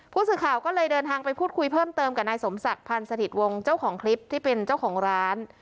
ผู้สื่อข่าวก็เลยเดินทางไปพูดคุยเพิ่มเติมกับนายสมศักดิ์พันธ์สถิตวงศ์เจ้าของคลิปที่เป็นเจ้าของร้าน